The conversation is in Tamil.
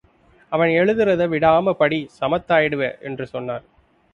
அவன் எழுதுறதை விடாம படி சமத்தாயிடுவே என்று சொன்னார்.